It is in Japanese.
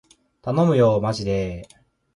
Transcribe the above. たのむよーまじでー